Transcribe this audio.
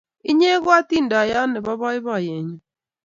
inye ko atindeyot nebo baibayet nyu